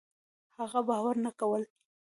هغه باور نه کولو